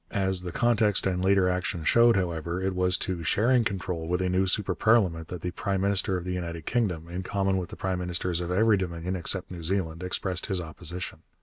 As the context and later action showed, however, it was to sharing control with a new super parliament that the prime minister of the United Kingdom, in common with the prime ministers of every Dominion except New Zealand, expressed his opposition.